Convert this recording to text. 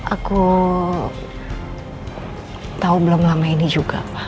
aku tau belum lama ini juga pak